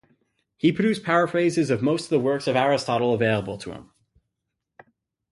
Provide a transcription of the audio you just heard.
He produced paraphrases of most of the works of Aristotle available to him.